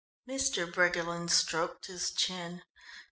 Mr. Briggerland stroked his chin.